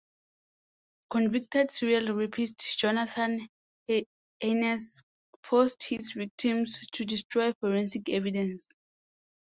Convicted serial rapist Jonathan Haynes forced his victims to destroy forensic evidence.